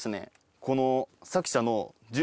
この。